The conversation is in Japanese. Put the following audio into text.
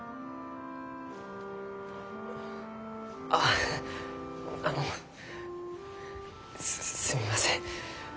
ああのすすみません。